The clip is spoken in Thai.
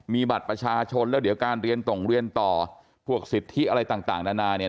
มีบัตรประชาชนแล้วเดี๋ยวการเรียนตรงเรียนต่อพวกสิทธิอะไรต่างนานาเนี่ย